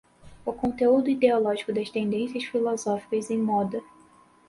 o conteúdo ideológico das tendência filosóficas em moda